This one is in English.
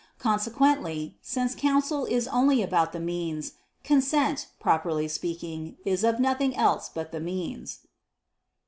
Consequently, since counsel is only about the means, consent, properly speaking, is of nothing else but the means.